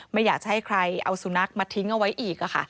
ไม่อยากจะให้ใครเอาสุนัขมาทิ้งเอาไว้อีก